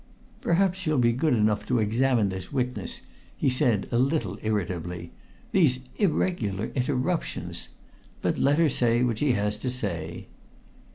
"Perhaps you'll be good enough to examine this witness," he said a little irritably. "These irregular interruptions! But let her say what she has to say."